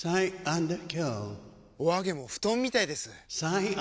お揚げも布団みたいです！